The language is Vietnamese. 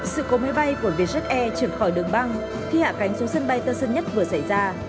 sự cố máy bay của vietjet air trượt khỏi đường băng khi hạ cánh xuống sân bay tân sơn nhất vừa xảy ra